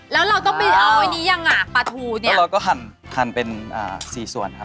แล้วเราต้องไปเอาอันนี้อย่างหงากปลาทูเนี่ยแล้วเราก็หั่นหั่นเป็น๔ส่วน